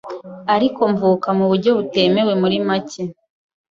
ariko mvuka mu buryo butemewe muri make